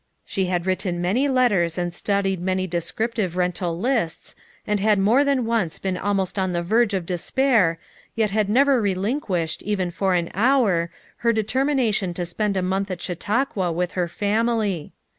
She bad written many letters and studied many descrip tive rental lists, and had more than once been almost on the verge of despair, yet had never relinquished, even for an hour, her determina tion to spend a month at Chautauqua with her family.